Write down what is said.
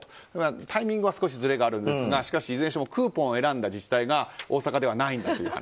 タイミングは少しずれがあるんですがいずれにしてもクーポンを選んだ自治体が大阪ではないんだという話。